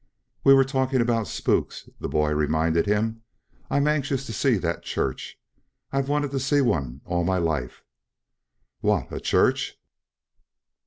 "We were talking about spooks," the boy reminded him. "I am anxious to see that church. I've wanted to see one all my life " "What? A church?"